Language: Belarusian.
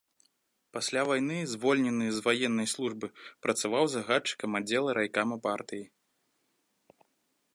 Пасля вайны звольнены з ваеннай службы, працаваў загадчыкам аддзела райкама партыі.